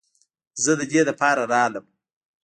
زه د دې لپاره راغلم.